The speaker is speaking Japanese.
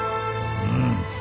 うん。